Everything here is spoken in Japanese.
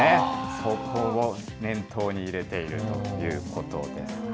そこを念頭に入れているということです。